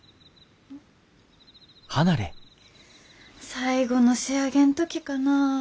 最後の仕上げん時かなあ。